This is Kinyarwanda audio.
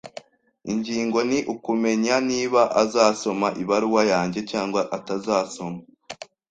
Ingingo ni ukumenya niba azasoma ibaruwa yanjye cyangwa atazasoma.